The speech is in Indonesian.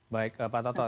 baik pak toto